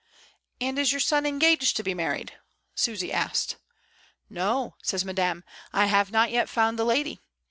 "And is your son engaged to be married?" Su^y asked. "No," says Madame; "I have not yet found the lady.